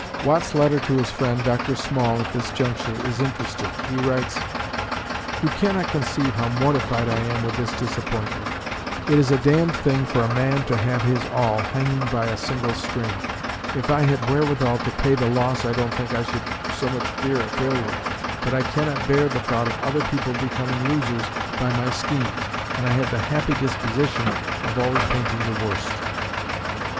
Watt's letter to his friend, Dr. Small, at this juncture, is interesting. He writes: You cannot conceive how mortified I am with this disappointment. It is a damned thing for a man to have his all hanging by a single string. If I had wherewithal to pay the loss, I don't think I should so much fear a failure; but I cannot bear the thought of other people becoming losers by my schemes; and I have the happy disposition of always painting the worst.